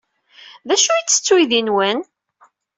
D acu ay yettett uydi-nwen?